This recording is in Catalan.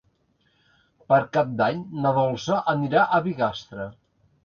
Per Cap d'Any na Dolça anirà a Bigastre.